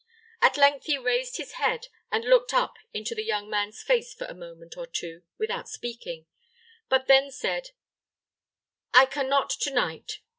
At length he raised his head, and looked up in the young man's face for a moment or two without speaking; but then said, "I can not to night.